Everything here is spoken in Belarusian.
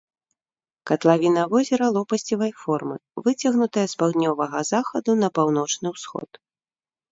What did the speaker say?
Катлавіна возера лопасцевай формы, выцягнутая з паўднёвага захаду на паўночны ўсход.